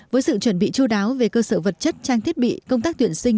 với sự chuẩn bị chú đáo về cơ sở vật chất trang thiết bị công tác tuyển sinh